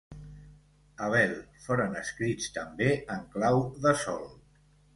Abel, foren escrits també en clau de sol.